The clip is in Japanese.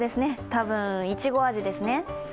多分、いちご味ですね。